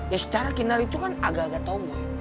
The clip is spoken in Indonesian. ya secara kinar itu kan agak agak tau mah